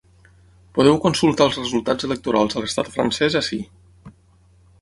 Podeu consultar els resultats electorals a l’estat francès ací.